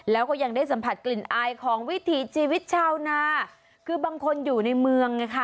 แล้วก็ยังได้สัมผัสกลิ่นอายของวิถีชีวิตชาวนาคือบางคนอยู่ในเมืองไงค่ะ